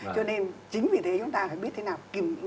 cho nên chính vì thế chúng ta phải biết thế nào